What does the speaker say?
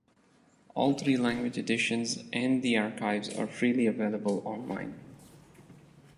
All three language editions and the archives are freely available online.